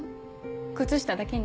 靴下だけに？